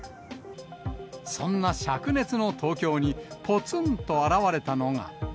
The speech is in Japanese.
そんなしゃく熱の東京に、ぽつんと現れたのが。